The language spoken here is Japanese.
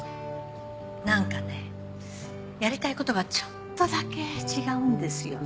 何かねやりたいことがちょっとだけ違うんですよね。